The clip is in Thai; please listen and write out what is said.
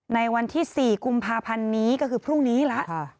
ในวันที่๔กุมภาพันธ์นี้ก็คือพรุ่งนี้แล้ว